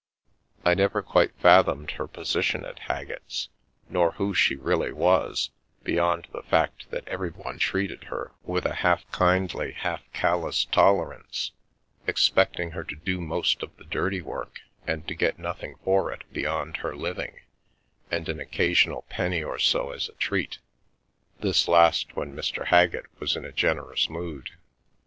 I never quite fathomed her position at Haggett's, nor who she really was, beyond the fact that everyone treated her with a half kindly, Haggett's half callous tolerance, expecting her to do most of the dirty work and to get nothing for it beyond her living and an occasional penny or so as a treat, this last when Mr. Haggett was in a generous mood.